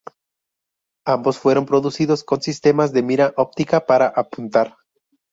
Ambos fueron producidos con sistemas de mira óptica para apuntar.